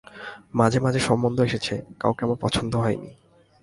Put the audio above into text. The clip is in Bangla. মাঝে মাঝে সম্বন্ধ এসেছে, কাউকে আমার পছন্দ হয় নি।